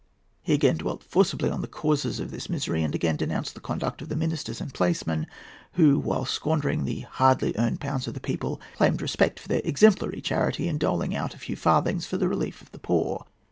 He again dwelt forcibly on the causes of this misery, and again denounced the conduct of the ministers and placemen who, while squandering the hardly earned pounds of the people, claimed respect for their exemplary charity in doling out a few farthings for "the relief of the poor."